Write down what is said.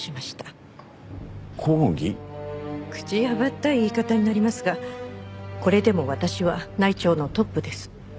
口幅ったい言い方になりますがこれでも私は内調のトップです。